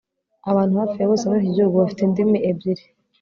Abantu hafi ya bose muri iki gihugu bafite indimi ebyiri